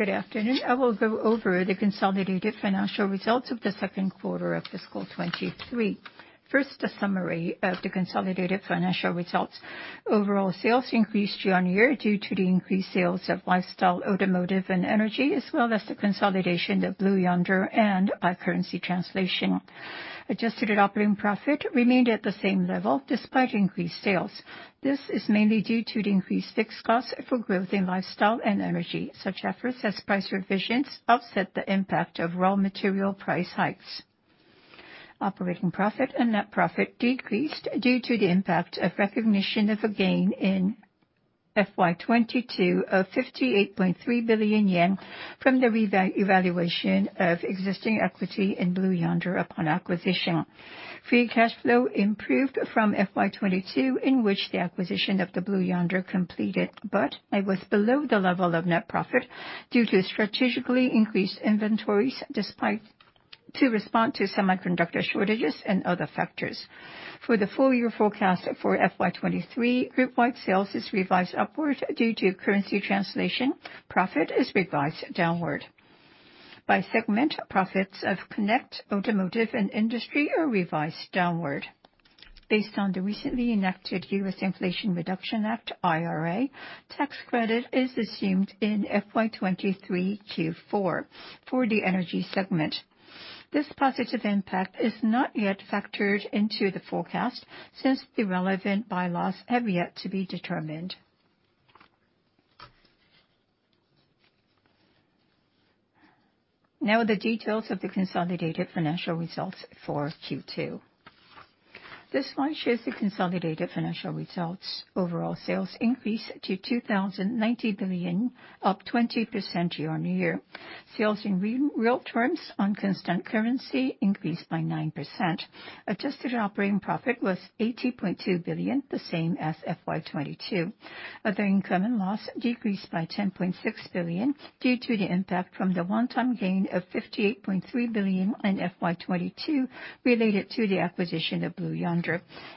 Good afternoon. I will go over the consolidated financial results of the second quarter of fiscal 2023. First, a summary of the consolidated financial results. Overall sales increased year-on-year due to the increased sales of Lifestyle, Automotive, and Energy, as well as the consolidation of Blue Yonder and by currency translation. Adjusted operating profit remained at the same level despite increased sales. This is mainly due to the increased fixed costs for growth in lifestyle and energy, such efforts as price revisions offset the impact of raw material price hikes. Operating profit and net profit decreased due to the impact of recognition of a gain in FY 2022 of 58.3 billion yen from the revaluation of existing equity in Blue Yonder upon acquisition. Free cash flow improved from FY 2022, in which the acquisition of Blue Yonder completed, but it was below the level of net profit due to strategically increased inventories designed to respond to semiconductor shortages and other factors. For the full year forecast for FY 2023, group-wide sales is revised upward due to currency translation. Profit is revised downward. By segment, profits of Connect, Automotive, and Industry are revised downward. Based on the recently enacted U.S. Inflation Reduction Act, IRA, tax credit is assumed in FY 2023 Q4 for the Energy segment. This positive impact is not yet factored into the forecast since the relevant bylaws have yet to be determined. Now the details of the consolidated financial results for Q2. This slide shows the consolidated financial results. Overall sales increased to 2,090 billion, up 20% year-on-year. Sales in real terms on constant currency increased by 9%. Adjusted operating profit was JPY 80.2 billion, the same as FY 2022. Other income and loss decreased by JPY 10.6 billion due to the impact from the one-time gain of JPY 58.3 billion in FY 2022 related to the acquisition of Blue Yonder.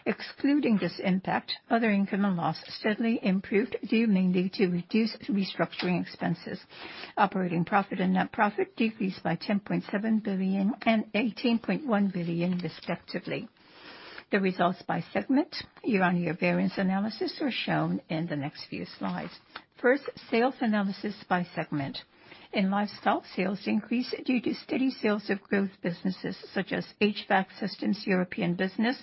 Excluding this impact, other income and loss steadily improved due mainly to reduced restructuring expenses. Operating profit and net profit decreased by 10.7 billion and 18.1 billion respectively. The results by segment year-on-year variance analysis are shown in the next few slides. First, sales analysis by segment. In Lifestyle, sales increased due to steady sales of growth businesses such as HVAC systems, European business,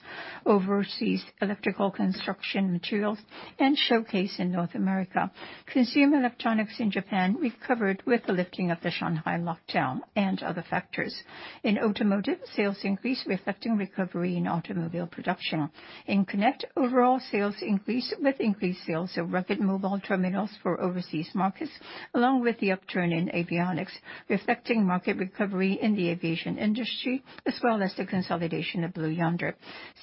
overseas electrical construction materials, and showcase in North America. Consumer electronics in Japan recovered with the lifting of the Shanghai lockdown and other factors. In Automotive, sales increased reflecting recovery in automobile production. In Connect, overall sales increased with increased sales of rugged mobile terminals for overseas markets, along with the upturn in Avionics, reflecting market recovery in the aviation industry, as well as the consolidation of Blue Yonder.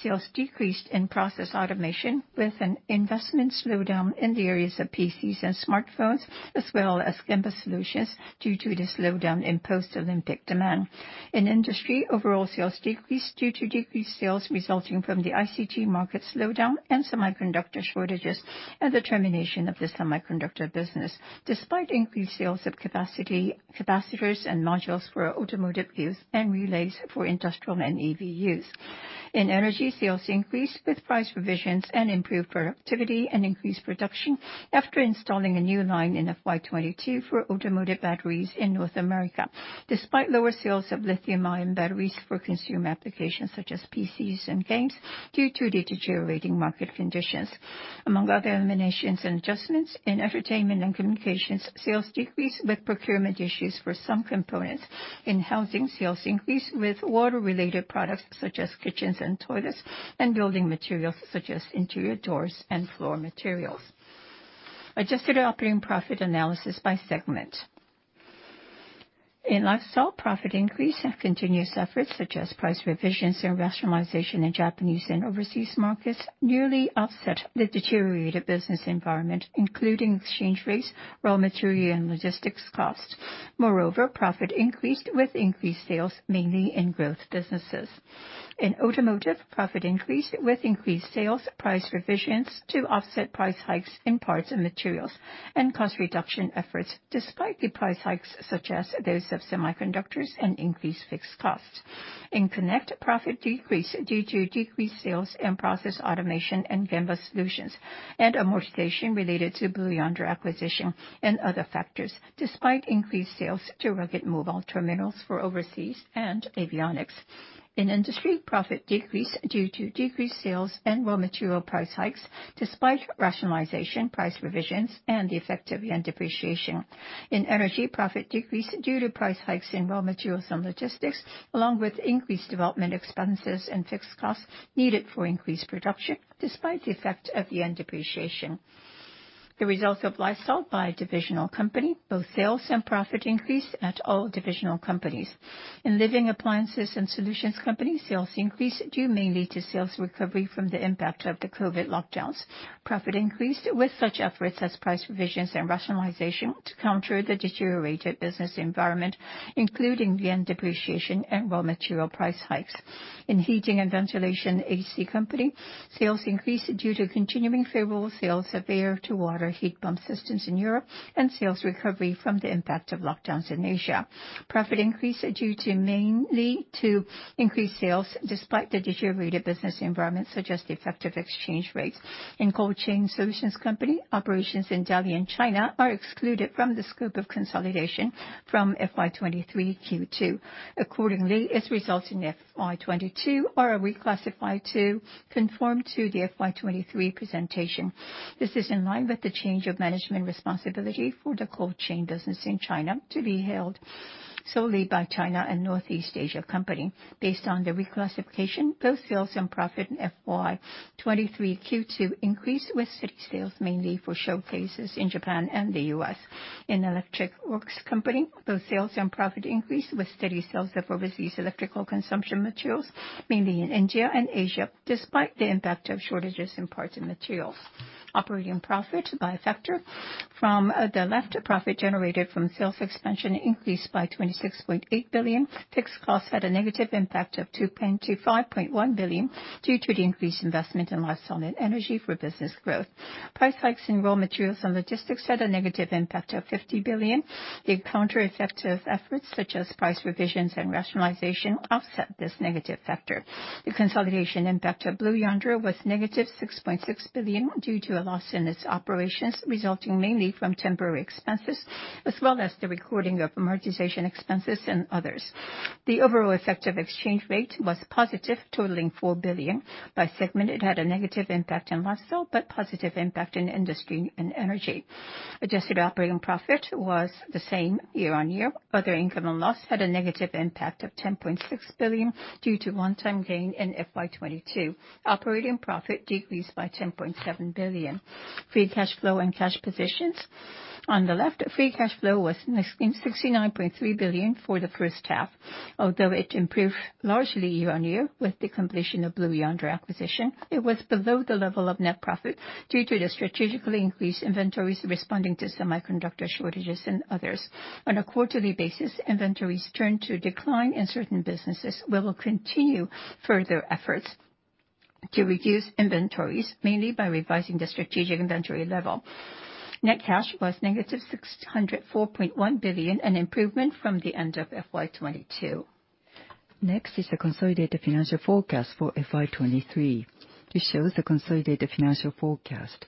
Sales decreased in process automation with an investment slowdown in the areas of PCs and smartphones, as well as Gemba Solutions due to the slowdown in post-Olympic demand. In Industry, overall sales decreased due to decreased sales resulting from the ICT market slowdown and semiconductor shortages, and the termination of the semiconductor business despite increased sales of capacitors and modules for automotive use and relays for industrial and EV use. In Energy, sales increased with price revisions and improved productivity and increased production after installing a new line in FY 2022 for automotive batteries in North America, despite lower sales of lithium-ion batteries for consumer applications such as PCs and games due to the deteriorating market conditions. Among Other/Eliminations & adjustments, in Entertainment and Communications, sales decreased with procurement issues for some components. In Housing, sales increased with water-related products such as kitchens and toilets, and building materials such as interior doors and floor materials. Adjusted operating profit analysis by segment. In Lifestyle, profit increased, and continuous efforts such as price revisions and rationalization in Japanese and overseas markets nearly offset the deteriorated business environment, including exchange rates, raw material, and logistics costs. Moreover, profit increased with increased sales mainly in growth businesses. In Automotive, profit increased with increased sales, price revisions to offset price hikes in parts and materials, and cost reduction efforts despite the price hikes such as those of semiconductors and increased fixed costs. In Connect, profit decreased due to decreased sales and process automation and Gemba Solutions, and amortization related to Blue Yonder acquisition and other factors, despite increased sales to rugged mobile terminals for overseas and Avionics. In Industry, profit decreased due to decreased sales and raw material price hikes despite rationalization, price revisions, and the effect of yen depreciation. In Energy, profit decreased due to price hikes in raw materials and logistics, along with increased development expenses and fixed costs needed for increased production despite the effect of yen depreciation. The results of Lifestyle by divisional company, both sales and profit increase at all divisional companies. In Living Appliances and Solutions Company, sales increased due mainly to sales recovery from the impact of the COVID lockdowns. Profit increased with such efforts as price revisions and rationalization to counter the deteriorated business environment, including yen depreciation and raw material price hikes. In Heating and Ventilation A/C Company, sales increased due to continuing favorable sales of air-to-water heat pump systems in Europe and sales recovery from the impact of lockdowns in Asia. Profit increased due mainly to increased sales despite the deteriorated business environment, such as the effective exchange rates. In Cold Chain Solutions Company, operations in Dalian, China, are excluded from the scope of consolidation from FY 2023 Q2. Accordingly, its results in FY 2022 are reclassified to conform to the FY 2023 presentation. This is in line with the change of management responsibility for the cold chain business in China to be held solely by China & Northeast Asia Company. Based on the reclassification, both sales and profit in FY 2023 Q2 increased with steady sales mainly for showcases in Japan and the U.S. In Electric Works Company, both sales and profit increased with steady sales of overseas electrical construction materials, mainly in India and Asia, despite the impact of shortages in parts and materials. Operating profit by factor. From the left, profit generated from sales expansion increased by 26.8 billion. Fixed costs had a negative impact of 25.1 billion due to the increased investment in Lifestyle and Energy for business growth. Price hikes in raw materials and logistics had a negative impact of JPY 50 billion. The counter-effective efforts, such as price revisions and rationalization, offset this negative factor. The consolidation impact of Blue Yonder was -6.6 billion due to a loss in its operations, resulting mainly from temporary expenses as well as the recording of amortization expenses and others. The overall effective exchange rate was positive, totaling 4 billion. By segment, it had a negative impact in Lifestyle, but positive impact in Industry and Energy. Adjusted operating profit was the same year-on-year. Other income and loss had a negative impact of 10.6 billion due to one-time gain in FY 2022. Operating profit decreased by 10.7 billion. Free cash flow and cash positions. On the left, free cash flow was 69.3 billion for the first half. Although it improved largely year-on-year with the completion of Blue Yonder acquisition, it was below the level of net profit due to the strategically increased inventories responding to semiconductor shortages and others. On a quarterly basis, inventories turned to decline in certain businesses. We will continue further efforts to reduce inventories mainly by revising the strategic inventory level. Net cash was -604.1 billion, an improvement from the end of FY 2022. Next is the consolidated financial forecast for FY 2023. This shows the consolidated financial forecast.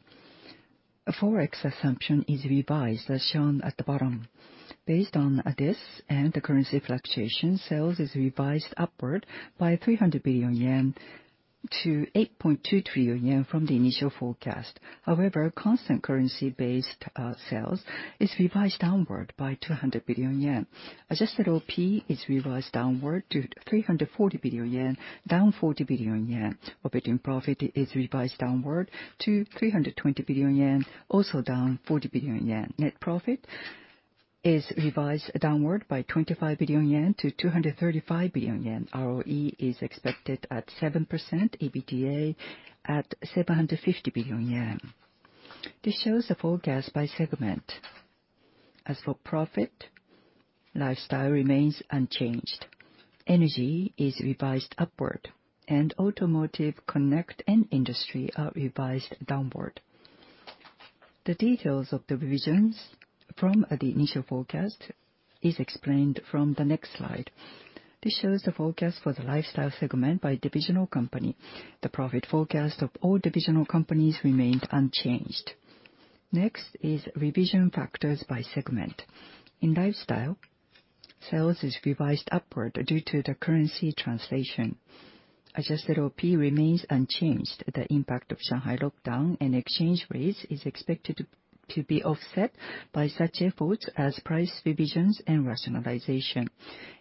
A Forex assumption is revised as shown at the bottom. Based on this and the currency fluctuation, sales is revised upward by 300 billion yen to 8.2 trillion yen from the initial forecast. However, constant currency-based sales is revised downward by 200 billion yen. Adjusted OP is revised downward to 340 billion yen, down 40 billion yen. Operating profit is revised downward to 320 billion yen, also down 40 billion yen. Net profit is revised downward by 25 billion yen to 235 billion yen. ROE is expected at 7%, EBITDA at 750 billion yen. This shows the forecast by segment. As for profit, Lifestyle remains unchanged. Energy is revised upward, and Automotive, Connect, and Industry are revised downward. The details of the revisions from the initial forecast is explained from the next slide. This shows the forecast for the Lifestyle segment by divisional company. The profit forecast of all divisional companies remained unchanged. Next is revision factors by segment. In Lifestyle, sales is revised upward due to the currency translation. Adjusted OP remains unchanged. The impact of Shanghai lockdown and exchange rates is expected to be offset by such efforts as price revisions and rationalization.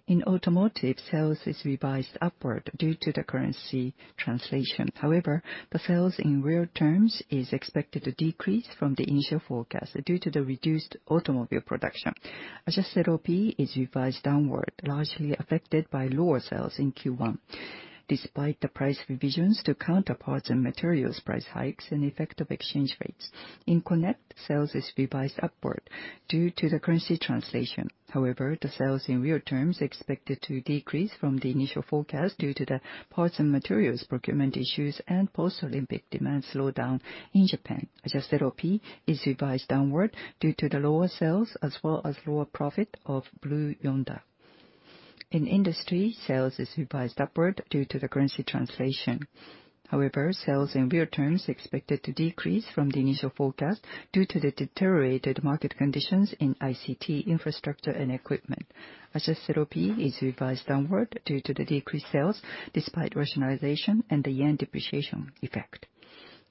In Automotive, sales is revised upward due to the currency translation. However, the sales in real terms is expected to decrease from the initial forecast due to the reduced automobile production. Adjusted OP is revised downward, largely affected by lower sales in Q1, despite the price revisions to counterparts and materials price hikes and effective exchange rates. In Connect, sales is revised upward due to the currency translation. However, the sales in real terms expected to decrease from the initial forecast due to the parts and materials procurement issues and post-Olympic demand slowdown in Japan. Adjusted OP is revised downward due to the lower sales as well as lower profit of Blue Yonder. In Industry, sales is revised upward due to the currency translation. However, sales in real terms expected to decrease from the initial forecast due to the deteriorated market conditions in ICT infrastructure and equipment. Adjusted OP is revised downward due to the decreased sales despite rationalization and the yen depreciation effect.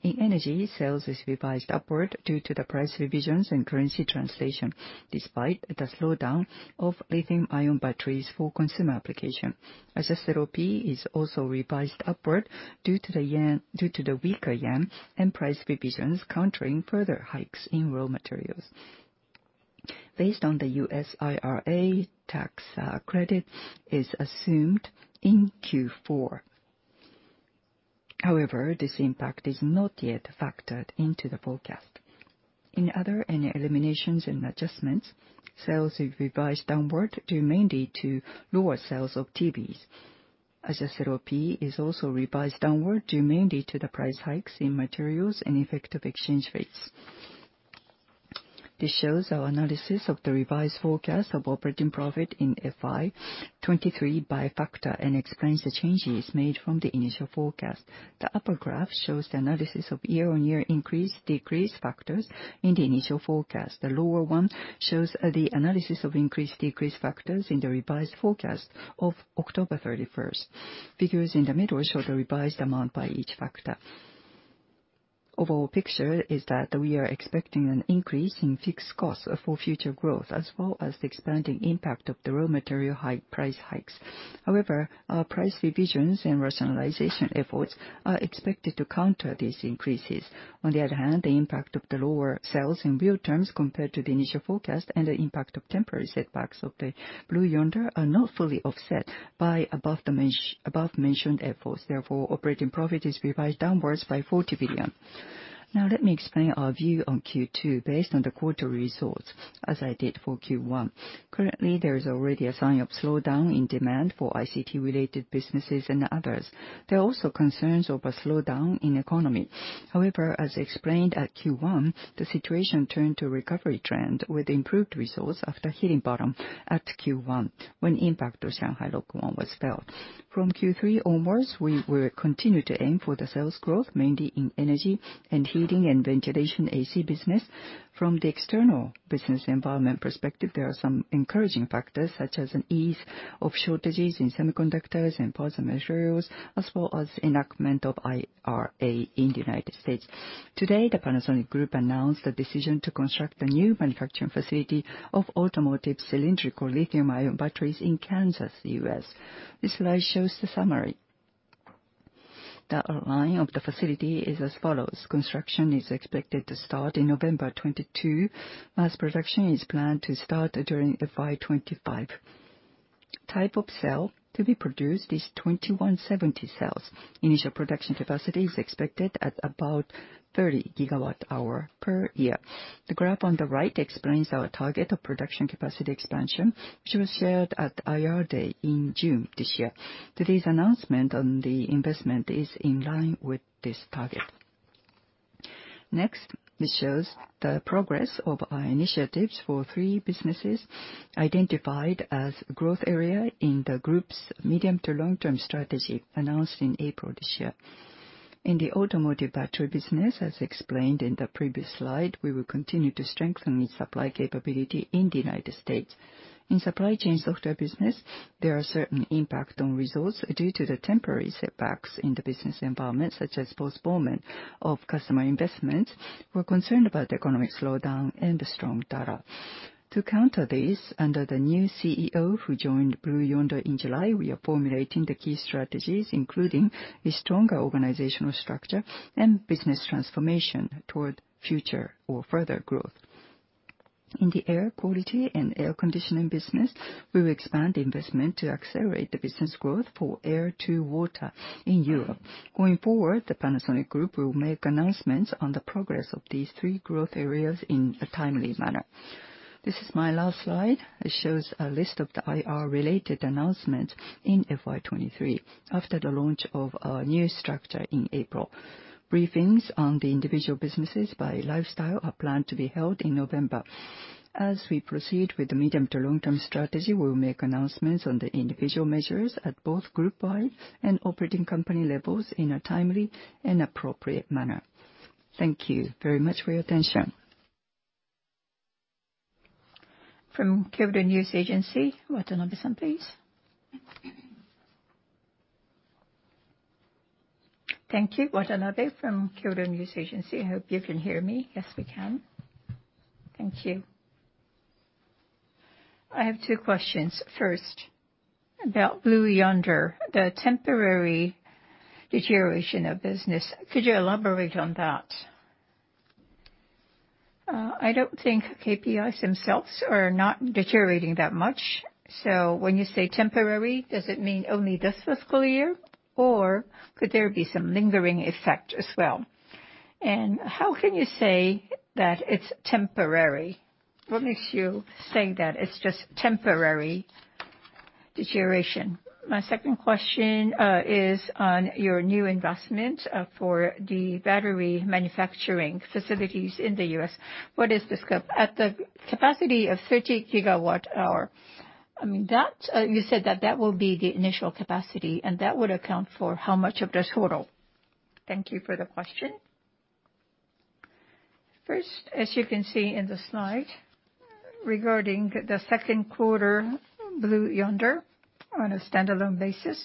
In Energy, sales is revised upward due to the price revisions and currency translation, despite the slowdown of lithium-ion batteries for consumer application. Adjusted OP is also revised upward due to the weaker yen and price revisions countering further hikes in raw materials. Based on the U.S. IRA tax credits is assumed in Q4. However, this impact is not yet factored into the forecast. In Other/Eliminations and adjustments, sales have revised downward due mainly to lower sales of TVs, as OP is also revised downward due mainly to the price hikes in materials and effective exchange rates. This shows our analysis of the revised forecast of operating profit in FY 2023 by factor, and explains the changes made from the initial forecast. The upper graph shows the analysis of year-on-year increase, decrease factors in the initial forecast. The lower one shows the analysis of increase, decrease factors in the revised forecast of October 31st. Figures in the middle show the revised amount by each factor. Overall picture is that we are expecting an increase in fixed costs for future growth, as well as the expanding impact of the raw material price hikes. However, our price revisions and rationalization efforts are expected to counter these increases. On the other hand, the impact of the lower sales in real terms compared to the initial forecast and the impact of temporary setbacks of the Blue Yonder are not fully offset by above-mentioned efforts. Therefore, operating profit is revised downwards by 40 billion. Now let me explain our view on Q2 based on the quarter results, as I did for Q1. Currently, there is already a sign of slowdown in demand for ICT-related businesses and others. There are also concerns of a slowdown in economy. However, as explained at Q1, the situation turned to recovery trend with improved results after hitting bottom at Q1 when impact of Shanghai lockdown was felt. From Q3 onwards, we will continue to aim for the sales growth, mainly in Energy and Heating & Ventilation A/C business. From the external business environment perspective, there are some encouraging factors, such as an ease of shortages in semiconductors and parts and materials, as well as enactment of IRA in the United States. Today, the Panasonic Group announced the decision to construct a new manufacturing facility of automotive cylindrical lithium-ion batteries in Kansas, U.S. This slide shows the summary. The outline of the facility is as follows. Construction is expected to start in November 2022. Mass production is planned to start during FY 2025. Type of cell to be produced is 2170 cells. Initial production capacity is expected at about 30 GWh per year. The graph on the right explains our target of production capacity expansion, which was shared at IR day in June this year. Today's announcement on the investment is in line with this target. Next, this shows the progress of our initiatives for three businesses identified as growth area in the group's medium to long-term strategy announced in April this year. In the Automotive Battery business, as explained in the previous slide, we will continue to strengthen its supply capability in the United States. In Supply Chain Software business, there are certain impact on results due to the temporary setbacks in the business environment, such as postponement of customer investments. We're concerned about economic slowdown and the strong yen. To counter this, under the new CEO who joined Blue Yonder in July, we are formulating the key strategies, including a stronger organizational structure and business transformation toward future or further growth. In the Air Quality & Air-conditioning business, we will expand investment to accelerate the business growth for air-to-water in Europe. Going forward, the Panasonic Group will make announcements on the progress of these three growth areas in a timely manner. This is my last slide. It shows a list of the IR-related announcements in FY 2023 after the launch of our new structure in April. Briefings on the individual businesses by Lifestyle are planned to be held in November. As we proceed with the medium- to long-term strategy, we will make announcements on the individual measures at both group-wide and operating company levels in a timely and appropriate manner. Thank you very much for your attention. From Kyodo News Agency, Watanabe-san, please. Thank you. Watanabe from Kyodo News Agency. I hope you can hear me. Yes, we can. Thank you. I have two questions. First, about Blue Yonder, the temporary deterioration of business. Could you elaborate on that? I don't think KPIs themselves are not deteriorating that much. When you say temporary, does it mean only this fiscal year, or could there be some lingering effect as well? How can you say that it's temporary? What makes you say that it's just temporary deterioration? My second question is on your new investment for the battery manufacturing facilities in the U.S. What is the scope? At the capacity of 30 GWh, I mean, that you said that will be the initial capacity, and that would account for how much of the total? Thank you for the question. First, as you can see in the slide, regarding the second quarter Blue Yonder on a standalone basis,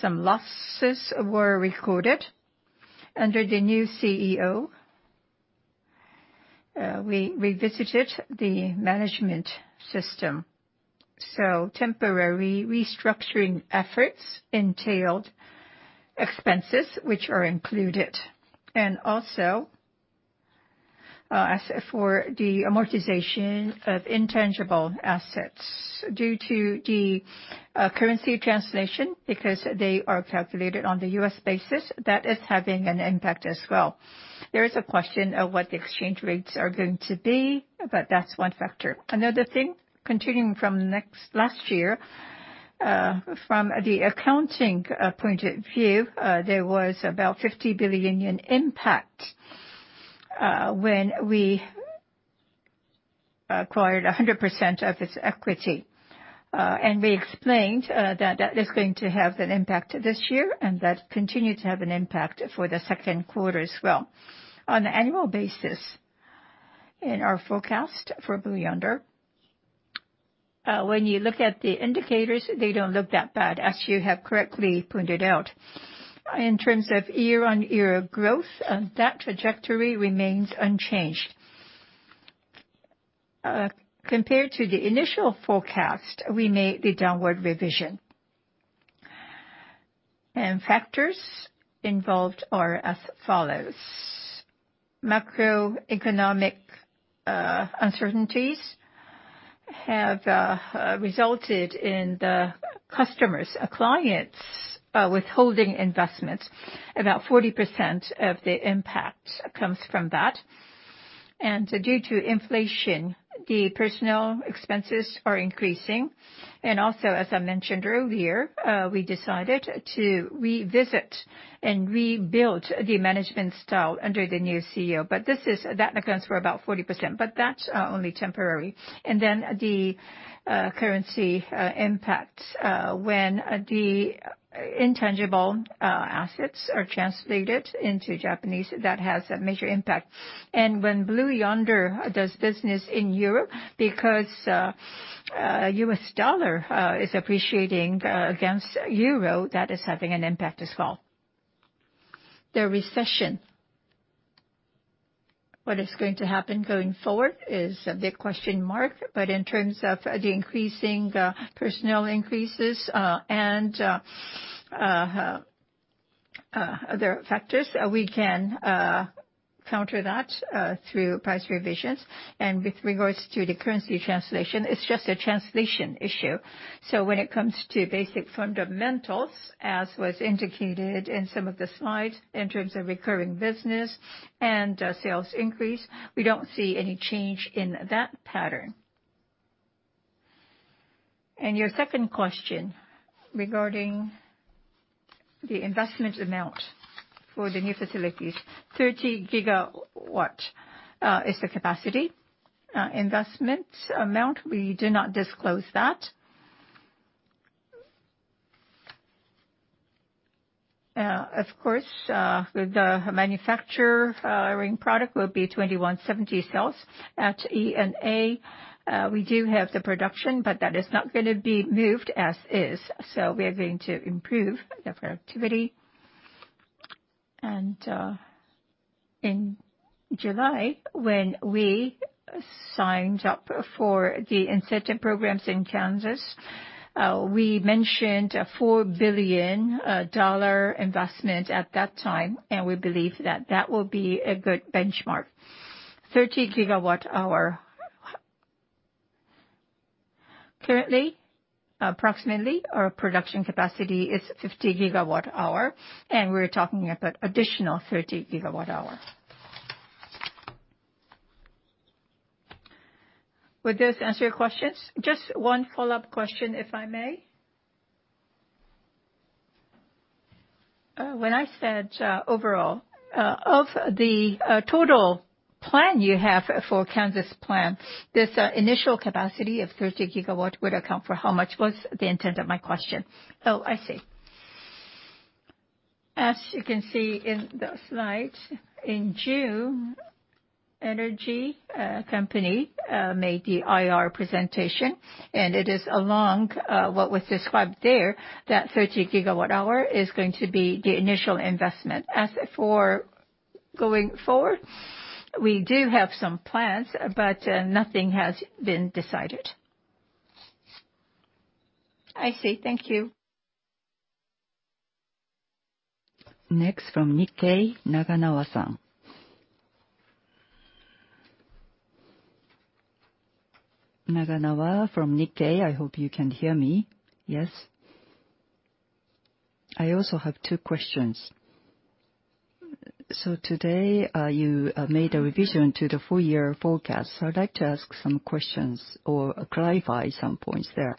some losses were recorded. Under the new CEO, we revisited the management system. Temporary restructuring efforts entailed expenses which are included. Also, as for the amortization of intangible assets due to the currency translation, because they are calculated on the U.S. basis, that is having an impact as well. There is a question of what the exchange rates are going to be, but that's one factor. Another thing, continuing from next, last year, from the accounting point of view, there was about 50 billion yen impact when we acquired 100% of its equity. We explained that that is going to have an impact this year, and that continued to have an impact for the second quarter as well. On an annual basis, in our forecast for Blue Yonder, when you look at the indicators, they don't look that bad, as you have correctly pointed out. In terms of year-on-year growth, that trajectory remains unchanged. Compared to the initial forecast, we made the downward revision. Factors involved are as follows: macroeconomic uncertainties have resulted in the customers or clients withholding investments. About 40% of the impact comes from that. Due to inflation, the personnel expenses are increasing. As I mentioned earlier, we decided to revisit and rebuild the management style under the new CEO. That accounts for about 40%, but that's only temporary. Then the currency impact, when the intangible assets are translated into Japanese, that has a major impact. When Blue Yonder does business in Europe, because U.S. dollar is appreciating against euro, that is having an impact as well. The recession, what is going to happen going forward is a big question mark. In terms of the increasing personnel increases and other factors, we can counter that through price revisions. With regards to the currency translation, it's just a translation issue. When it comes to basic fundamentals, as was indicated in some of the slides, in terms of recurring business and sales increase, we don't see any change in that pattern. Your second question regarding the investment amount for the new facilities. 30 GW is the capacity. Investment amount, we do not disclose that. Of course, the manufacturing product will be 2170 cells. At E&A, we do have the production, but that is not gonna be moved as is, so we are going to improve the productivity. In July, when we signed up for the incentive programs in Kansas, we mentioned a $4 billion investment at that time, and we believe that that will be a good benchmark. 30 GWh. Currently, approximately our production capacity is 50 GWh, and we're talking about additional 30 GWh. Would this answer your questions? Just one follow-up question, if I may. When I said overall, of the total plan you have for Kansas plant, this initial capacity of 30 GWh would account for how much was the intent of my question. Oh, I see. As you can see in the slides, in June, Energy Company made the IR presentation, and it is along what was described there, that 30 GWh is going to be the initial investment. As for going forward, we do have some plans, but nothing has been decided. I see. Thank you. Next from Nikkei, Naganawa-san. Naganawa from Nikkei. I hope you can hear me. Yes. I also have two questions. Today, you made a revision to the full-year forecast. I'd like to ask some questions or clarify some points there.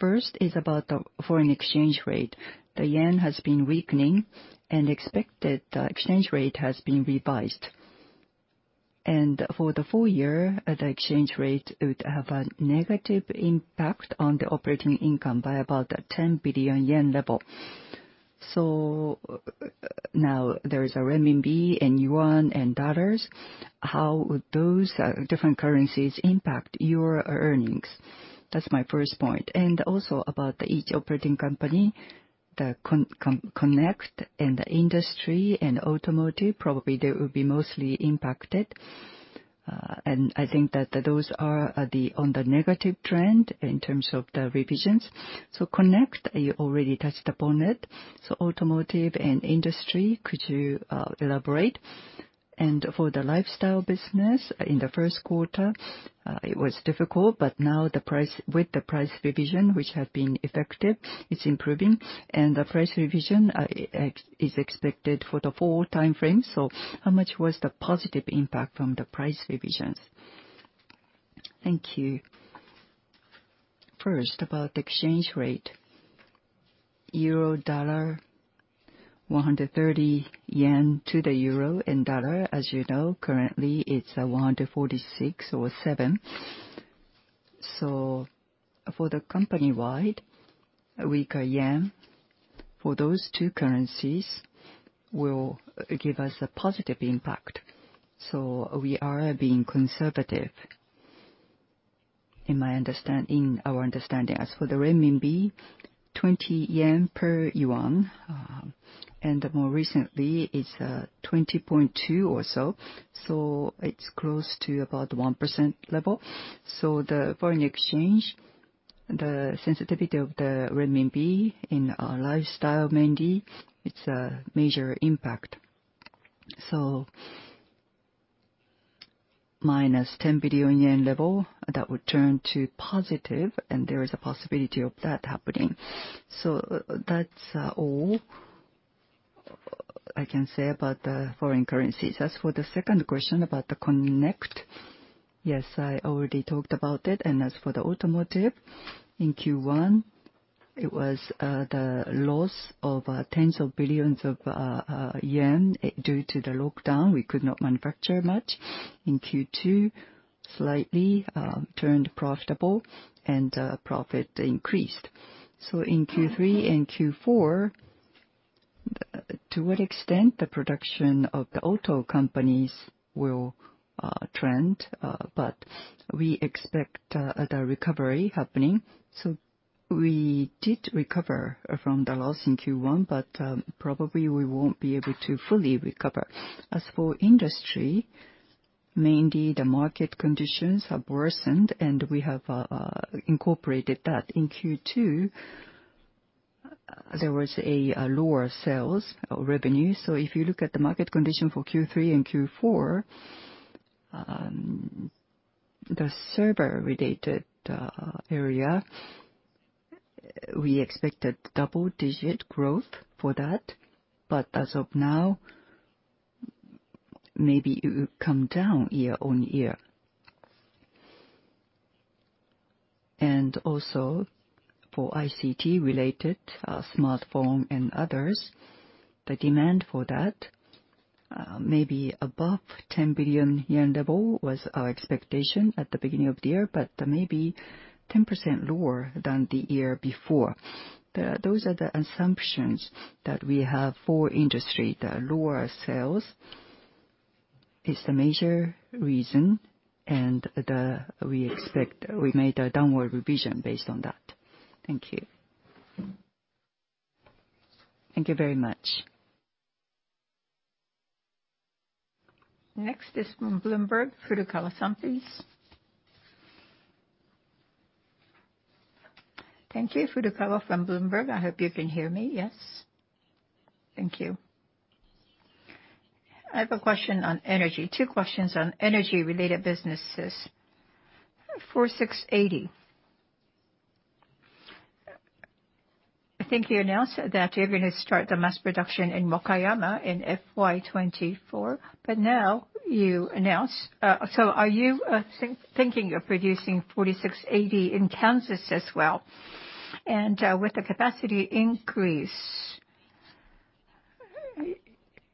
First is about the foreign exchange rate. The yen has been weakening and expected exchange rate has been revised. For the full year, the exchange rate would have a negative impact on the operating income by about a 10 billion yen level. Now there is a renminbi and yuan and dollars. How would those different currencies impact your earnings? That's my first point. Also about each operating company, the Connect and the Industry and Automotive, probably they will be mostly impacted. I think that those are on the negative trend in terms of the revisions. Connect, you already touched upon it. Automotive and Industry, could you elaborate? For the Lifestyle business, in the first quarter, it was difficult, but now with the price revision which have been effective, it's improving, and the price revision is expected for the full timeframe. How much was the positive impact from the price revisions? Thank you. First, about the exchange rate. Euro, dollar, 130 yen to the euro and dollar. As you know, currently it's 146 or 147. For the company-wide, a weaker yen for those two currencies will give us a positive impact. We are being conservative in my understanding, in our understanding. As for the renminbi, 20 yen per yuan, and more recently, it's 20.2 or so it's close to about 1% level. The foreign exchange, the sensitivity of the renminbi in our Lifestyle mainly, it's a major impact. So, -10 billion yen level, that would turn to positive and there is a possibility of that happening. That's all I can say about the foreign currencies. As for the second question about the Connect, yes, I already talked about it. As for the Automotive, in Q1, it was the loss of tens of billions of JPY. Due to the lockdown, we could not manufacture much. In Q2, slightly turned profitable and profit increased. In Q3 and Q4, to what extent the production of the auto companies will trend, but we expect the recovery happening. We did recover from the loss in Q1, but probably we won't be able to fully recover. As for Industry, mainly the market conditions have worsened, and we have incorporated that. In Q2, there was a lower sales revenue. If you look at the market condition for Q3 and Q4, the server-related area, we expected double-digit growth for that. As of now, maybe it will come down year-on-year. Also for ICT-related, smartphone and others, the demand for that, maybe above 10 billion yen level was our expectation at the beginning of the year, but maybe 10% lower than the year before. Those are the assumptions that we have for Industry. The lower sales is the major reason and we expect we made a downward revision based on that. Thank you. Thank you very much. Next is from Bloomberg, Furukawa-san, please. Thank you. Furukawa from Bloomberg. I hope you can hear me. Yes? Thank you. I have a question on energy, two questions on energy-related businesses. 4680. I think you announced that you're going to start the mass production in Wakayama in FY 2024, but now you announce. Are you thinking of producing 4680 in Kansas as well? And, with the capacity increase,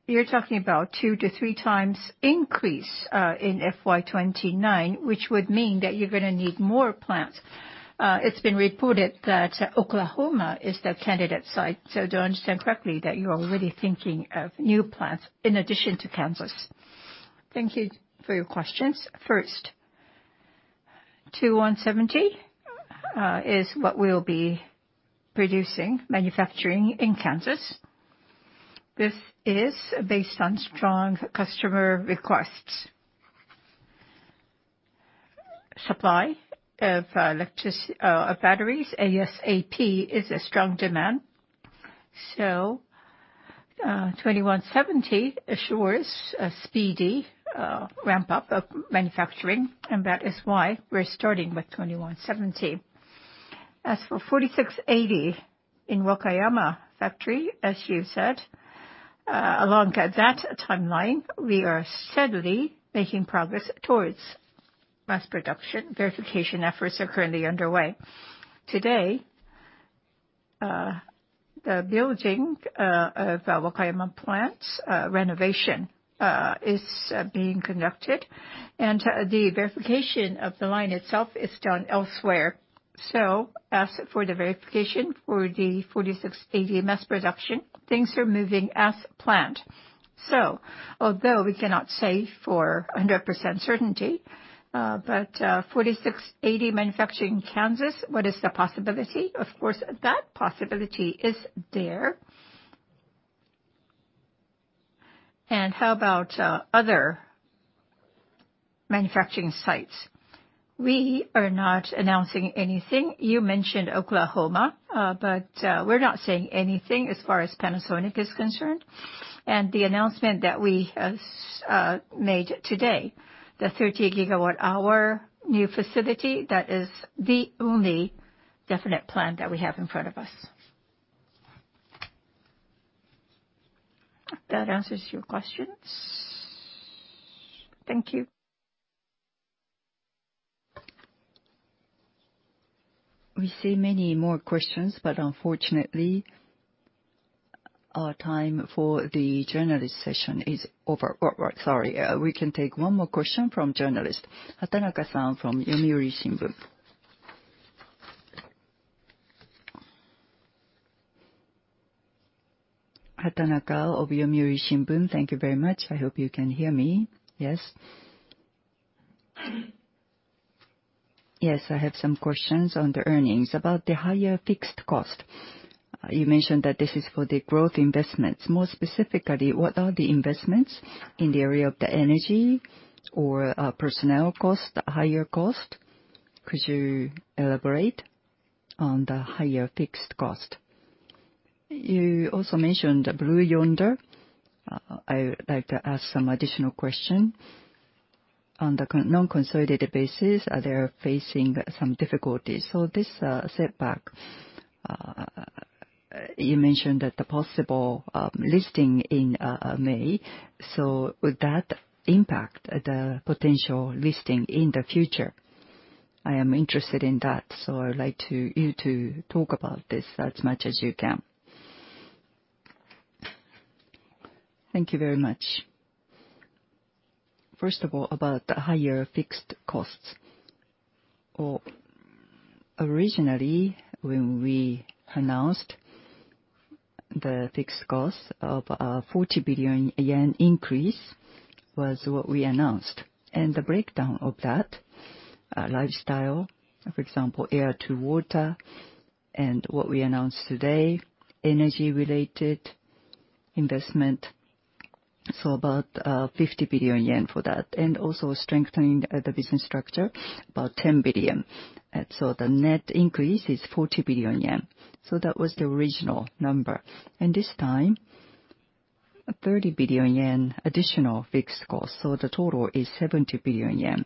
you're talking about 2x-3x increase, in FY 2029, which would mean that you're gonna need more plants. It's been reported that Oklahoma is the candidate site. Do I understand correctly that you're already thinking of new plants in addition to Kansas? Thank you for your questions. First, 2170 is what we'll be producing, manufacturing in Kansas. This is based on strong customer requests. Supply of batteries ASAP is a strong demand. 2170 assures a speedy ramp-up of manufacturing, and that is why we're starting with 2170. As for 4680 in Wakayama factory, as you said, along that timeline, we are steadily making progress towards mass production. Verification efforts are currently underway. Today, the building of Wakayama plant renovation is being conducted, and the verification of the line itself is done elsewhere. As for the verification for the 4680 mass production, things are moving as planned. Although we cannot say for 100% certainty, but 4680 manufacturing in Kansas, what is the possibility? Of course, that possibility is there. How about other manufacturing sites? We are not announcing anything. You mentioned Oklahoma, but we're not saying anything as far as Panasonic is concerned. The announcement that we have made today, the 30 GWh new facility, that is the only definite plan that we have in front of us. That answers your questions? Thank you. We see many more questions, but unfortunately our time for the journalist session is over. Oh, right. Sorry. We can take one more question from journalist. Hatanaka-san from The Yomiuri Shimbun. Hatanaka of The Yomiuri Shimbun. Thank you very much. I hope you can hear me. Yes. Yes, I have some questions on the earnings. About the higher fixed cost, you mentioned that this is for the growth investments. More specifically, what are the investments in the area of the energy or personnel cost, the higher cost? Could you elaborate on the higher fixed cost? You also mentioned Blue Yonder. I would like to ask some additional question. On the non-consolidated basis, are they facing some difficulties? This setback you mentioned, the possible listing in May. Would that impact the potential listing in the future? I am interested in that, so I would like for you to talk about this as much as you can. Thank you very much. First of all, about the higher fixed costs. Well, originally, when we announced the fixed cost of 40 billion yen increase was what we announced. The breakdown of that, Lifestyle, for example, air-to-water, and what we announced today, Energy-related investment, so about 50 billion yen for that. Also strengthening the business structure, about 10 billion. The net increase is 40 billion yen. That was the original number. This time, 30 billion yen additional fixed cost, the total is 70 billion yen.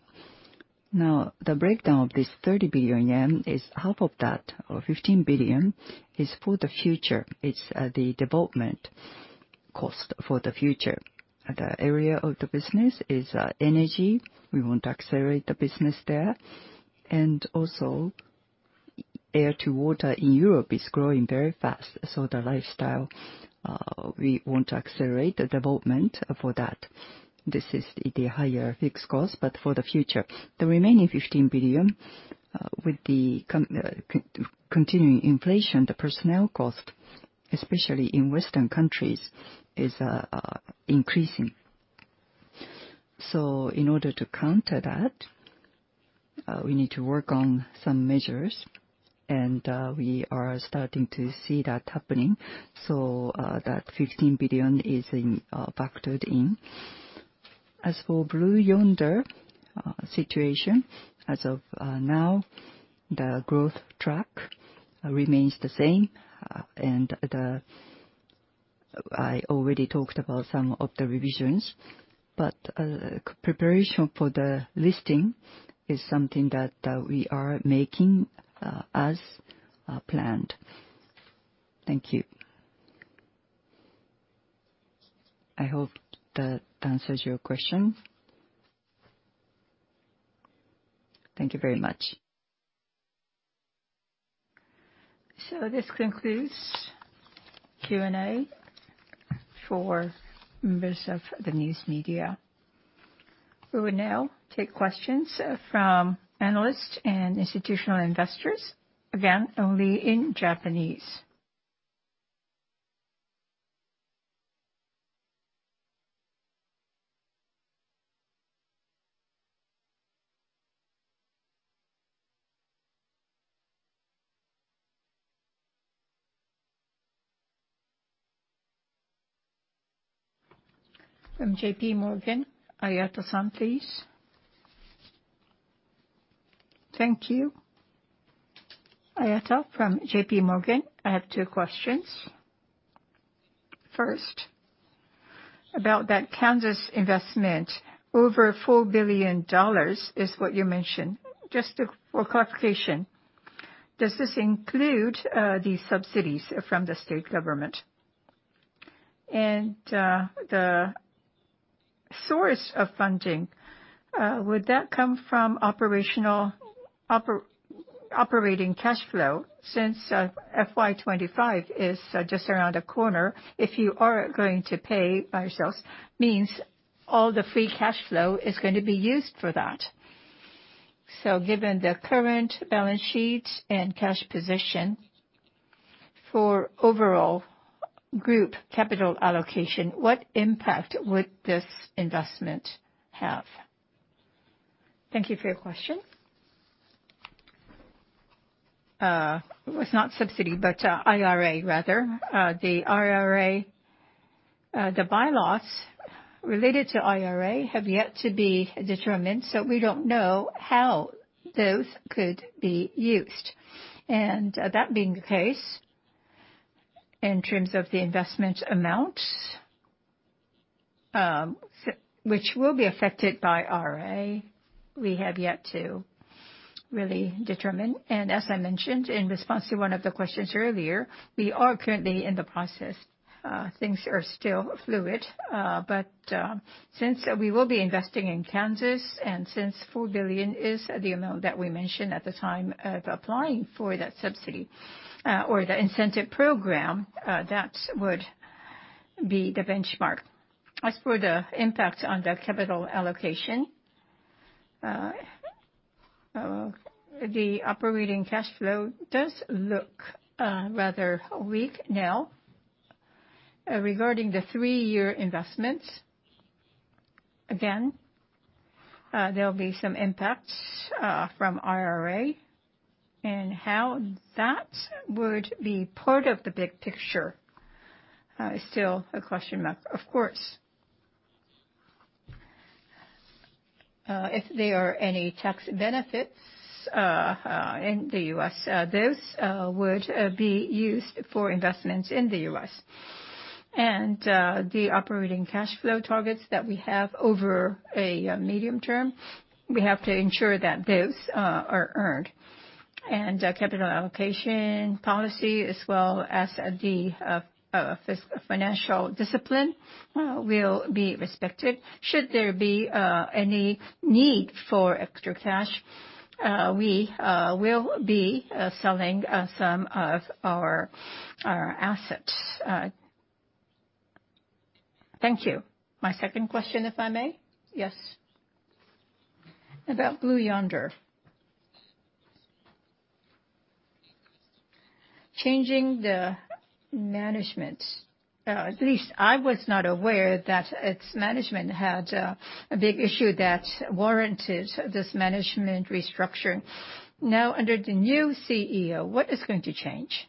Now, the breakdown of this 30 billion yen is half of that, or 15 billion, is for the future. It's the development cost for the future. The area of the business is Energy. We want to accelerate the business there. Air-to-water in Europe is growing very fast, so the lifestyle, we want to accelerate the development for that. This is the higher fixed cost, but for the future. The remaining 15 billion, with the continuing inflation, the personnel cost, especially in Western countries, is increasing. In order to counter that, we need to work on some measures, and we are starting to see that happening. That 15 billion is factored in. As for Blue Yonder situation, as of now, the growth track remains the same. I already talked about some of the revisions, but preparation for the listing is something that we are making as planned. Thank you. I hope that answers your question. Thank you very much. This concludes Q&A for members of the news media. We will now take questions from analysts and institutional investors, again, only in Japanese. From J.P. Morgan, Ayada-san, please. Thank you. Ayada from JPMorgan. I have two questions. First, about that Kansas investment, over $4 billion is what you mentioned. Just to, for clarification, does this include the subsidies from the state government? The source of funding, would that come from operating cash flow since FY 2025 is just around the corner? If you are going to pay by yourselves, means all the free cash flow is going to be used for that. Given the current balance sheet and cash position for overall group capital allocation, what impact would this investment have? Thank you for your question. It was not a subsidy, but the IRA rather. The IRA, the bylaws related to IRA have yet to be determined, so we don't know how those could be used. That being the case, in terms of the investment amount, which will be affected by IRA, we have yet to really determine. As I mentioned in response to one of the questions earlier, we are currently in the process. Things are still fluid, but since we will be investing in Kansas and since $4 billion is the amount that we mentioned at the time of applying for that subsidy, or the incentive program, that would be the benchmark. As for the impact on the capital allocation, the operating cash flow does look rather weak now. Regarding the three-year investment, again, there'll be some impacts from IRA. How that would be part of the big picture is still a question mark. Of course, if there are any tax benefits in the U.S., those would be used for investments in the U.S. The operating cash flow targets that we have over a medium-term, we have to ensure that those are earned. Capital allocation policy as well as the financial discipline will be respected. Should there be any need for extra cash, we will be selling some of our assets. Thank you. My second question, if I may? Yes. About Blue Yonder. Changing the management, at least I was not aware that its management had a big issue that warranted this management restructuring. Now, under the new CEO, what is going to change?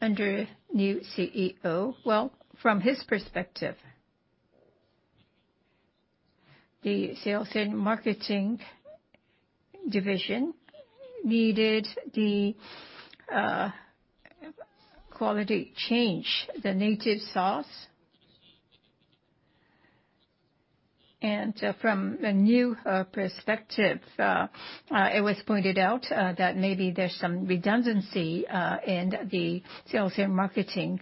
Under new CEO, from his perspective, the sales and marketing division needed the qualitative change. From a new perspective, it was pointed out that maybe there's some redundancy in the sales and marketing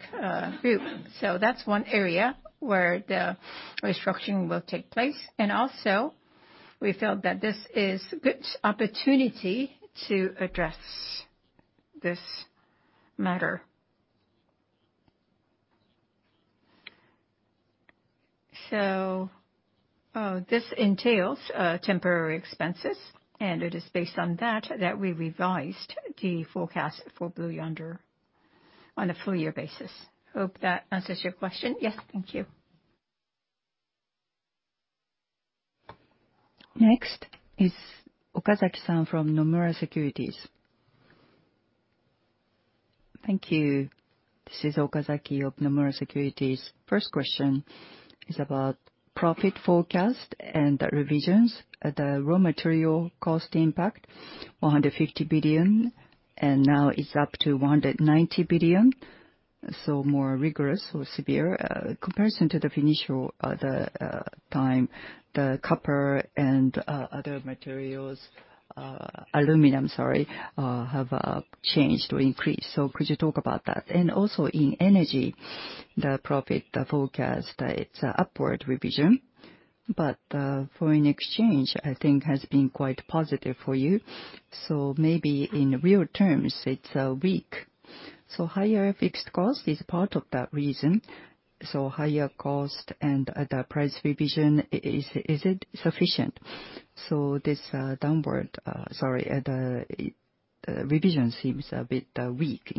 group. That's one area where the restructuring will take place. We felt that this is good opportunity to address this matter. This entails temporary expenses, and it is based on that that we revised the forecast for Blue Yonder on a full year basis. Hope that answers your question. Yes. Thank you. Next is Okazaki-san from Nomura Securities. Thank you. This is Okazaki of Nomura Securities. First question is about profit forecast and the revisions. The raw material cost impact, 150 billion, and now it's up to 190 billion. More rigorous or severe comparison to the initial time, the copper and other materials, aluminum have changed or increased. Could you talk about that? Also in Energy, the profit forecast, it's upward revision. Foreign exchange, I think, has been quite positive for you. Maybe in real terms it's weak. Higher fixed cost is part of that reason. Higher cost and the price revision, is it sufficient? This downward, sorry, the revision seems a bit weak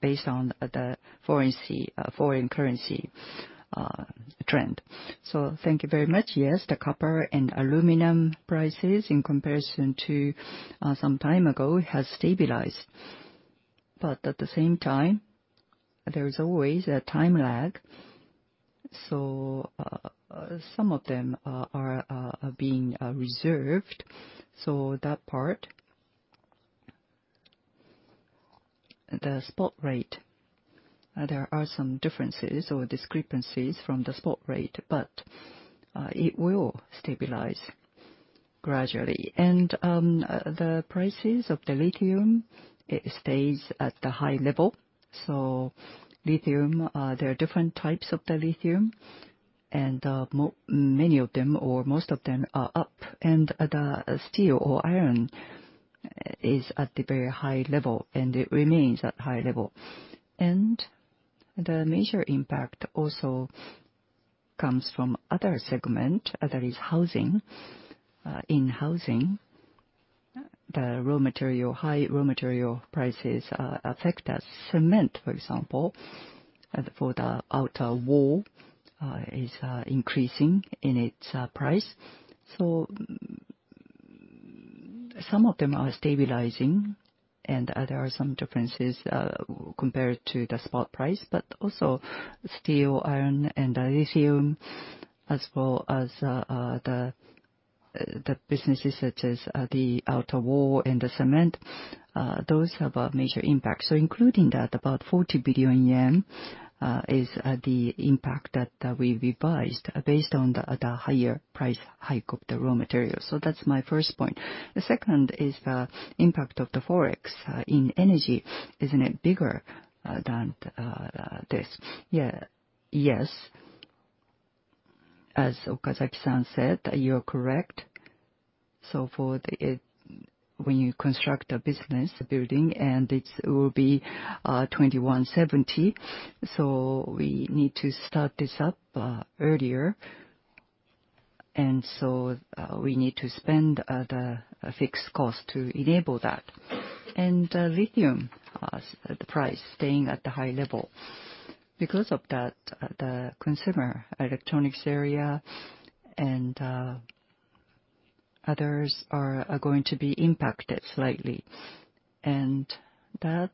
based on the foreign currency trend. Thank you very much. Yes, the copper and aluminum prices in comparison to some time ago has stabilized. At the same time, there is always a time lag. Some of them are being reserved. That part. The spot rate, there are some differences or discrepancies from the spot rate, but it will stabilize gradually. The prices of the lithium, it stays at the high level. Lithium, there are different types of the lithium and many of them or most of them are up, and the steel or iron is at the very high-level, and it remains at high-level. The major impact also comes from other segment, that is Housing. In Housing, the raw material, high raw material prices, affect us. Cement, for example, for the outer wall, is increasing in its price. Some of them are stabilizing and there are some differences compared to the spot price. Also steel, iron and lithium, as well as, the businesses such as, the outer wall and the cement, those have a major impact. Including that, about 40 billion yen is the impact that we revised based on the higher price hike of the raw materials. That's my first point. The second is the impact of the Forex in Energy. Isn't it bigger than this? Yeah. Yes. As Okazaki-san said, you are correct. For the... When you construct a business building and it will be 2170, so we need to start this up earlier. We need to spend the fixed cost to enable that. Lithium's price staying at the high level. Because of that, the consumer electronics area and others are going to be impacted slightly. That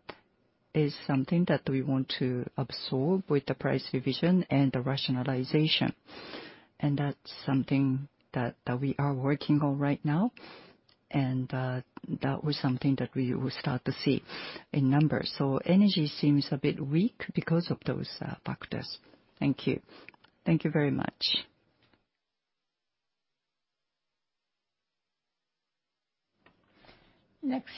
is something that we want to absorb with the price revision and the rationalization. That's something that we are working on right now, and that was something that we will start to see in numbers. Energy seems a bit weak because of those factors. Thank you. Thank you very much. Next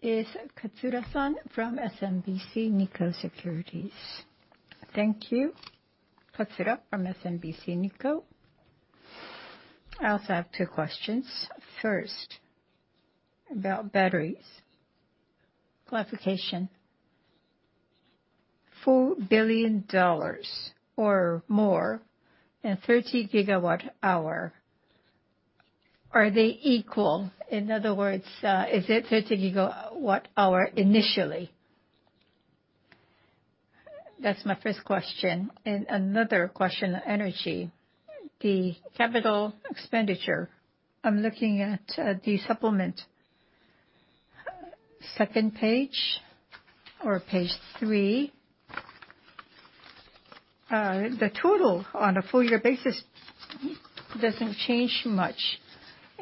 is Katsura-san from SMBC Nikko Securities. Thank you. Katsura from SMBC Nikko. I also have two questions. First, about batteries. Clarification. $4 billion or more and 30 GWh, are they equal? In other words, is it 30 GWh initially? That's my first question. Another question, Energy. The capital expenditure, I'm looking at the supplement. Second page or page three. The total on a full year basis doesn't change much.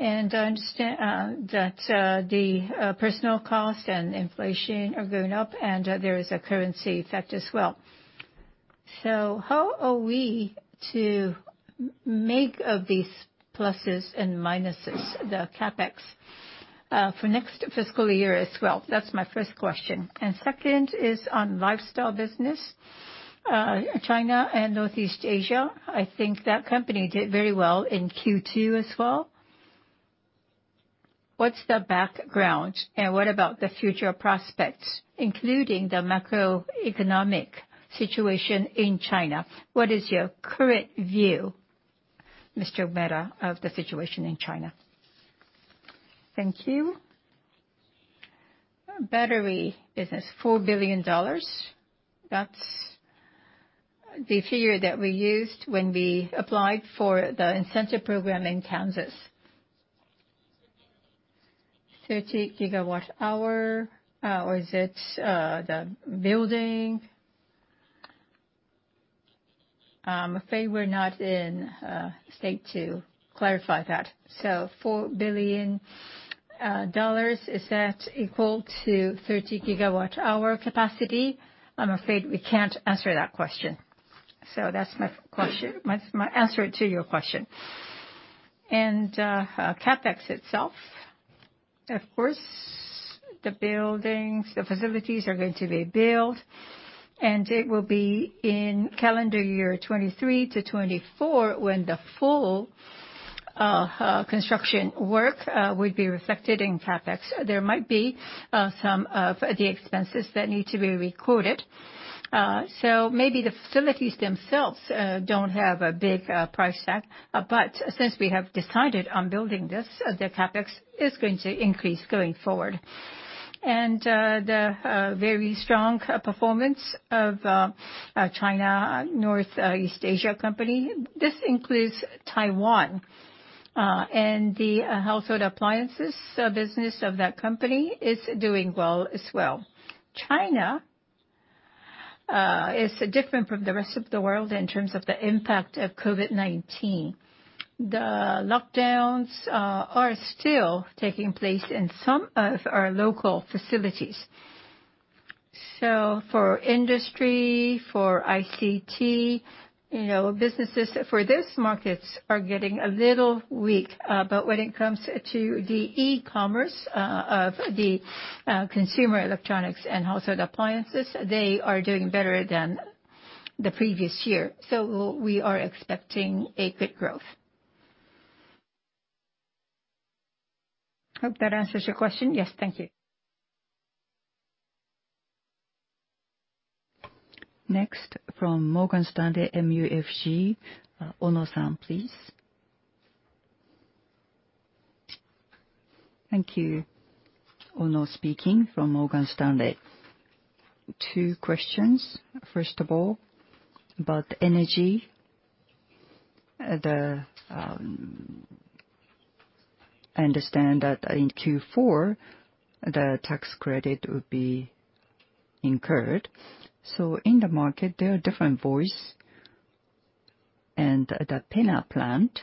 I understand that the personnel cost and inflation are going up and there is a currency effect as well. How are we to make of these pluses and minuses, the CapEx, for next fiscal year as well? That's my first question. Second is on Lifestyle business. China & Northeast Asia Company, I think that company did very well in Q2 as well. What's the background and what about the future prospects, including the macroeconomic situation in China? What is your current view, Mr. Umeda, of the situation in China? Thank you. Battery business, $4 billion. That's the figure that we used when we applied for the incentive program in Kansas. 30 GWh, or is it the building? Afraid we're not in state to clarify that. So $4 billion, is that equal to 30 GWh capacity? I'm afraid we can't answer that question. So that's my question. My answer to your question. CapEx itself, of course, the buildings, the facilities are going to be built, and it will be in calendar year 2023-2024 when the full construction work will be reflected in CapEx. There might be some of the expenses that need to be recorded. So maybe the facilities themselves don't have a big price tag. Since we have decided on building this, the CapEx is going to increase going forward. The very strong performance of China & Northeast Asia Company. This includes Taiwan. The household appliances business of that company is doing well as well. China is different from the rest of the world in terms of the impact of COVID-19. The lockdowns are still taking place in some of our local facilities. For industry, for ICT, you know, businesses for those markets are getting a little weak. But when it comes to the e-commerce of the consumer electronics and household appliances, they are doing better than the previous year. We are expecting a quick growth. Hope that answers your question. Yes. Thank you. Next from Morgan Stanley MUFG, Ono-san, please. Thank you. Ono speaking from Morgan Stanley. Two questions. First of all, about Energy. I understand that in Q4, the tax credit will be incurred. In the market, there are different voices, and the PENA plant,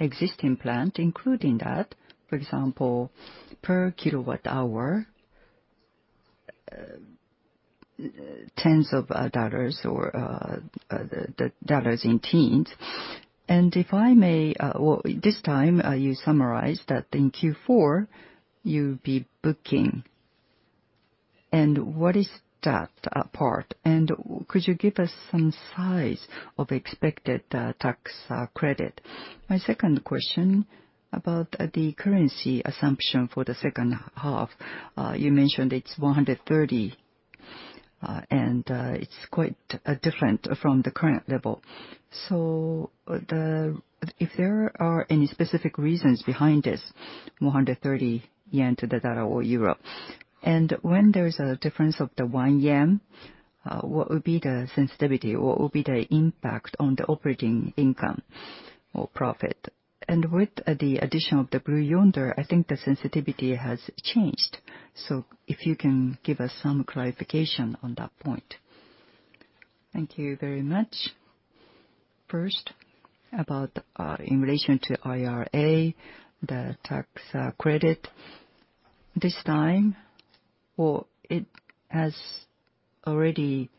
existing plant, including that, for example, per kilowatt-hour, tens of dollars or dollars in tens. If I may, this time, you summarized that in Q4, you'll be booking. What is that part? Could you give us some size of expected tax credit? My second question about the currency assumption for the second half. You mentioned it's 130, and it's quite different from the current level. So, the, if there are any specific reasons behind this 130 yen to the dollar or euro. When there's a difference of 1 yen, what would be the sensitivity? What would be the impact on the operating income or profit? With the addition of the Blue Yonder, I think the sensitivity has changed. If you can give us some clarification on that point. Thank you very much. First, in relation to IRA, the tax credit. This time, it has already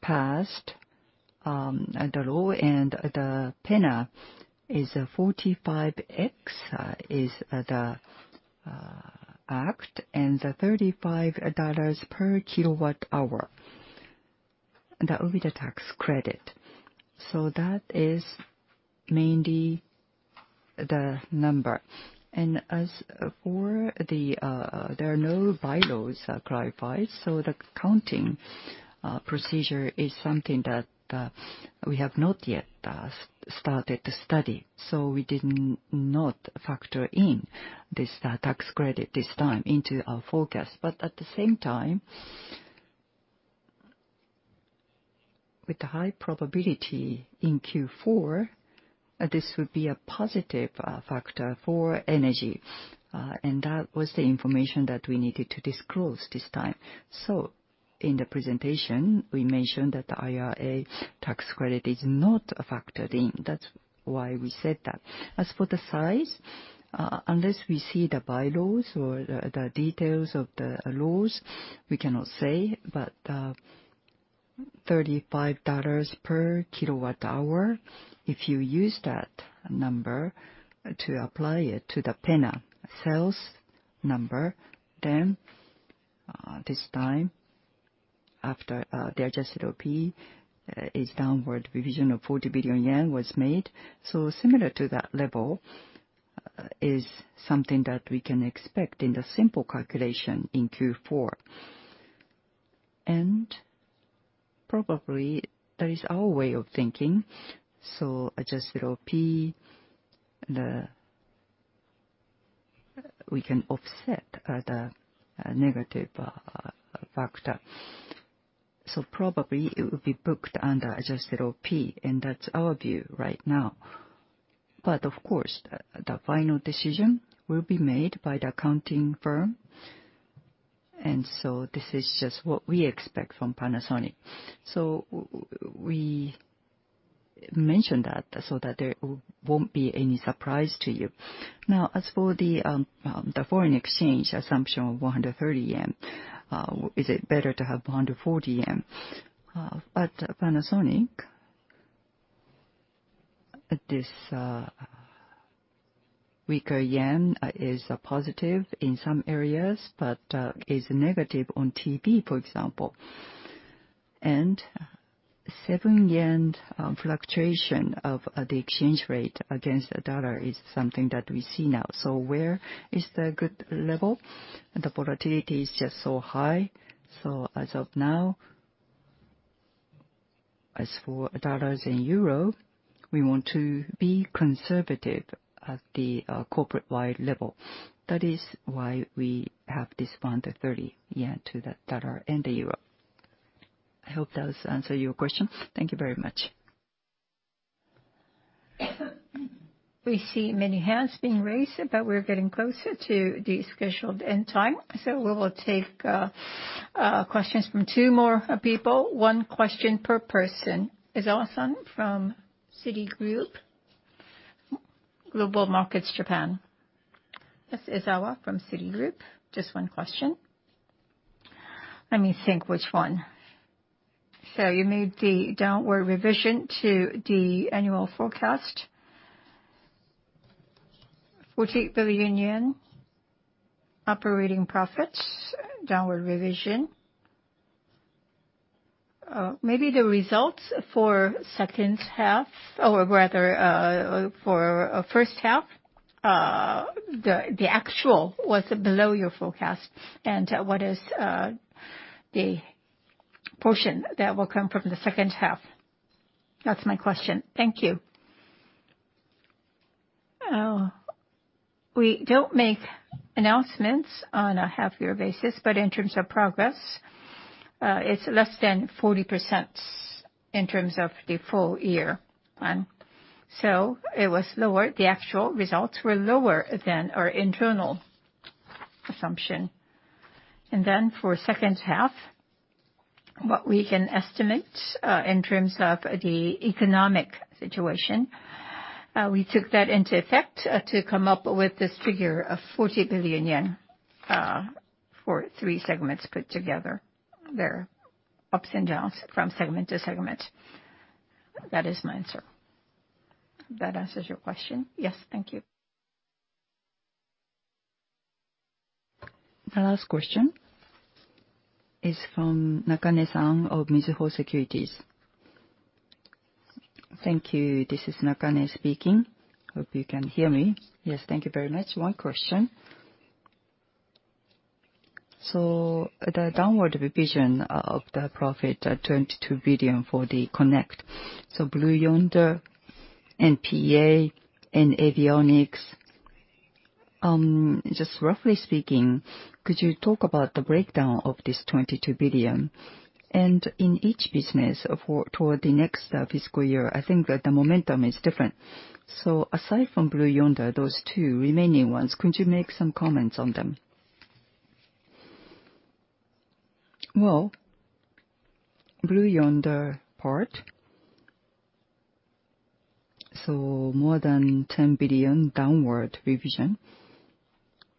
passed the law and the PENA, Section 45X, is the act and the $35 per kWh. That will be the tax credit. That is mainly the number. There are no bylaws clarified, so the accounting procedure is something that we have not yet started to study. We did not factor in this tax credit this time into our forecast. At the same time, with the high probability in Q4, this would be a positive factor for Energy. That was the information that we needed to disclose this time. In the presentation, we mentioned that the IRA tax credit is not a factor in, that's why we said that. As for the size, unless we see the bylaws or the details of the laws, we cannot say. $35 per kWh, if you use that number to apply it to the PENA sales number, then, this time after, the adjusted OP is downward revision of 40 billion yen was made. Similar to that level is something that we can expect in the simple calculation in Q4. Probably that is our way of thinking. Adjusted OP, we can offset the negative factor. Probably it would be booked under adjusted OP, and that's our view right now. Of course, the final decision will be made by the accounting firm. This is just what we expect from Panasonic. We mention that, so that there won't be any surprise to you. Now as for the foreign exchange assumption of 130 yen, is it better to have 140 yen? At Panasonic, this weaker yen is a positive in some areas, but is negative on TP, for example. 7 yen fluctuation of the exchange rate against the dollar is something that we see now. Where is the good level? The volatility is just so high. As of now, as for dollars and euro, we want to be conservative at the corporate-wide level. That is why we have this 130 yen to the dollar and the euro. I hope that answer your question. Thank you very much. We see many hands being raised, but we're getting closer to the scheduled end-time, so we will take questions from two more people, one question per person. Ezawa-san from Citigroup Global Markets Japan Inc. Yes. Ezawa from Citigroup. Just one question. Let me think which one. You made the downward revision to the annual forecast. JPY 40 billion operating profits downward revision. Maybe the results for second half or rather, for first half, the actual was below your forecast. What is the portion that will come from the second half? That's my question. Thank you. Oh, we don't make announcements on a half-year basis, but in terms of progress, it's less than 40% in terms of the full year plan. It was lower. The actual results were lower than our internal assumption. For second half, what we can estimate, in terms of the economic situation, we took that into effect, to come up with this figure of 40 billion yen, for three segments put together. There are ups and downs from segment to segment. That is my answer. That answers your question? Yes. Thank you. The last question is from Nakane-san of Mizuho Securities. Thank you. This is Nakane speaking. Hope you can hear me. Yes. Thank you very much. One question. The downward revision of the profit, 22 billion for the Connect, Blue Yonder, NPA and Avionics. Just roughly speaking, could you talk about the breakdown of this 22 billion? And in each business for, toward the next fiscal year, I think that the momentum is different. Aside from Blue Yonder, those two remaining ones, could you make some comments on them? Well, Blue Yonder part, more than 10 billion downward revision.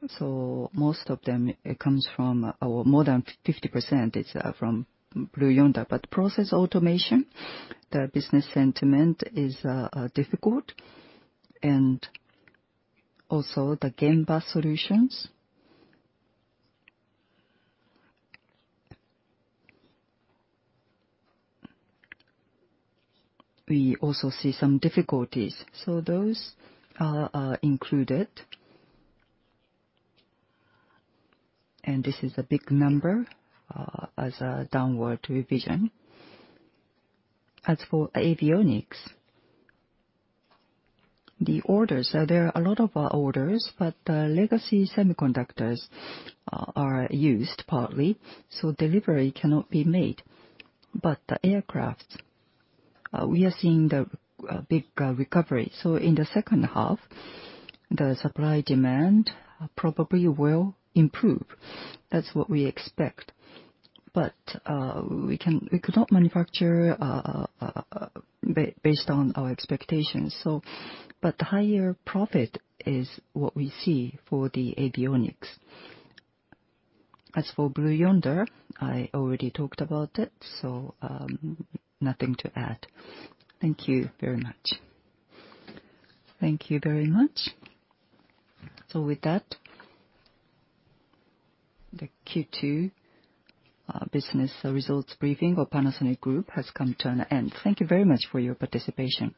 Most of them, it comes from our, more than 50% is from Blue Yonder. Process automation, the business sentiment is difficult. Also the Gemba Solutions. We also see some difficulties. Those are included. This is a big number as a downward revision. As for Avionics, the orders are, there are a lot of orders, but legacy semiconductors are used partly, so delivery cannot be made. The aircraft, we are seeing the big recovery. In the second half, the supply-demand probably will improve. That's what we expect. We could not manufacture based on our expectations. Higher profit is what we see for the Avionics. As for Blue Yonder, I already talked about it, so, nothing to add. Thank you very much. Thank you very much. With that, the Q2 business results briefing of Panasonic Group has come to an end. Thank you very much for your participation.